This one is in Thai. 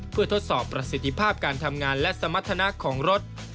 เพื่อทดสอบประสิทธิภาพการทำงานและสมรรถนะของรถ